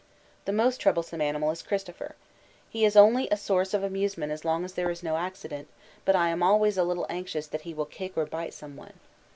The most troublesome animal is Christopher. He is only a source of amusement as long as there is no accident, but I am always a little anxious that he will kick or bite someone.